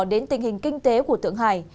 đến tình hình kinh tế của thượng hải